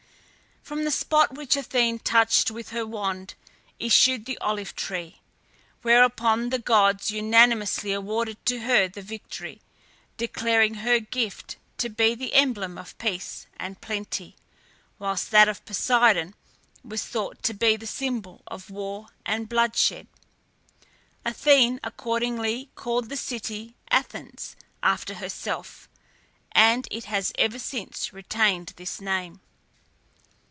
From the spot which Athene touched with her wand, issued the olive tree, whereupon the gods unanimously awarded to her the victory, declaring her gift to be the emblem of peace and plenty, whilst that of Poseidon was thought to be the symbol of war and bloodshed. Athene accordingly called the city Athens, after herself, and it has ever since retained this name.